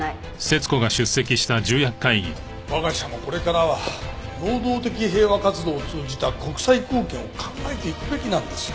我が社もこれからは能動的平和活動を通じた国際貢献を考えていくべきなんですよ。